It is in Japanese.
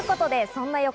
そんな横